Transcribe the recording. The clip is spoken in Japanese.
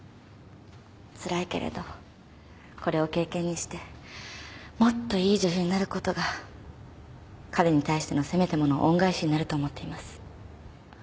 つらいけれどこれを経験にしてもっといい女優になることが彼に対してのせめてもの恩返しになると思っています。